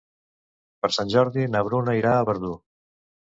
Per Sant Jordi na Bruna irà a Verdú.